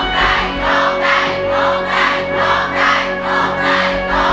ร้องได้ร้องได้ร้องได้